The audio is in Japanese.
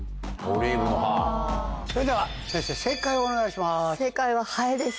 それでは先生正解をお願いします。